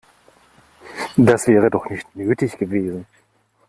Das wäre doch nicht nötig gewesen.